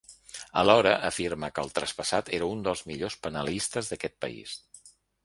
Alhora afirma que el traspassat era “un dels millors penalistes d’aquest país”.